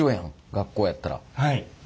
学校やったら。